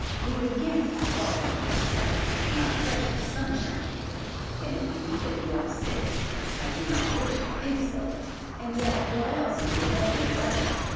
We will give the following extract: "MY PRECIOUS SUNSHINE: "—Can it be that you are sick? I do not wish to think so; and yet what else can prevent your writing?